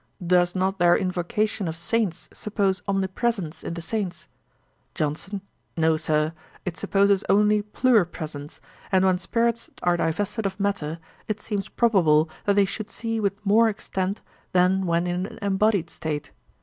'Does not their invocation of saints suppose omnipresence in the saints?' JOHNSON. 'No, Sir; it supposes only pluri presence, and when spirits are divested of matter, it seems probable that they should see with more extent than when in an embodied state.